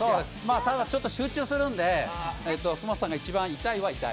ただ、ちょっと集中するので、この人が一番痛いは痛い。